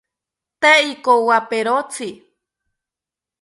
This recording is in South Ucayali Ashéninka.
Tee ikowaperotzi